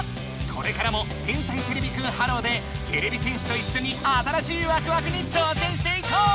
これからも「天才てれびくんｈｅｌｌｏ，」でてれび戦士といっしょに新しいワクワクにちょうせんしていこう！